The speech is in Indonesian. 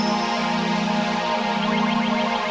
yeay udah jangan bahas itu lagi